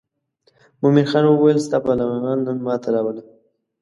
مومن خان وویل ستا پهلوانان نن ما ته راوله.